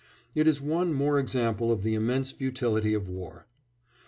It is one more example of the immense futility of war.